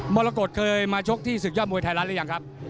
มรกฏเคยมาชกที่ศึกยอดมวยไทยรัฐหรือยังครับ